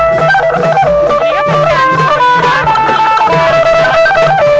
เพื่อรับความรับทราบของคุณ